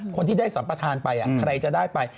คนที่ได้สัมประธานไปใครจะได้ไป